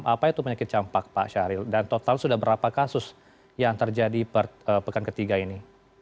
apa itu penyakit campak pak syahril dan total sudah berapa kasus yang terjadi pekan ketiga ini